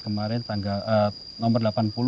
kemarin tanggal nomor delapan puluh dua ribu sembilan belas